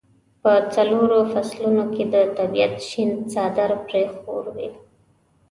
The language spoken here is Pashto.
په څلورو فصلونو کې د طبیعت شین څادر پرې خور وي.